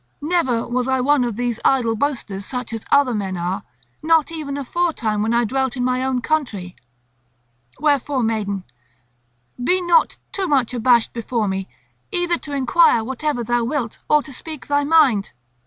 Never was I one of these idle boasters such as other men are—not even aforetime, when I dwelt in my own country. Wherefore, maiden, be not too much abashed before me, either to enquire whatever thou wilt or to speak thy mind.